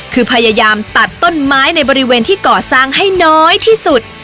คือพยายามตัดต้นไม้ในบริเวณที่ก่อสร้างให้น้อยที่สุด